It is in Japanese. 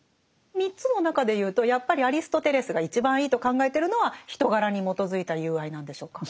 ３つの中で言うとやっぱりアリストテレスが一番いいと考えてるのは人柄に基づいた友愛なんでしょうか？